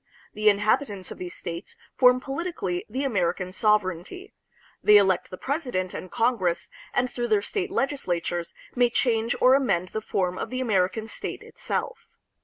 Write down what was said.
The inhabitants of these states form politically the American sovereignty. They elect the president and Congress, and through their state legislatures may change or amend the form of the American state itself.